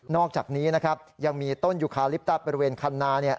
อกจากนี้นะครับยังมีต้นยุคาลิปต้าบริเวณคันนาเนี่ย